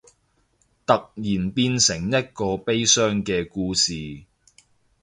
突然變成一個悲傷嘅故事